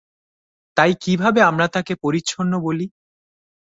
তাই কীভাবে আমরা তাঁকে পরিচ্ছন্ন বলি?